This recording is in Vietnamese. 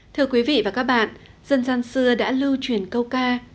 thưa quý vị và các bạn dân gian xưa đã lưu truyền câu ca